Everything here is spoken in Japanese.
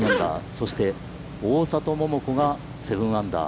そして、大里桃子が７アンダー。